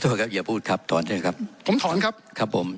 โทษครับอย่าพูดครับถอนเถอะครับผมถอนครับครับผม